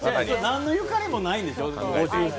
何のゆかりもないんですよ？